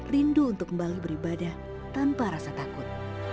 rindu untuk kembali beribadah tanpa rasa takut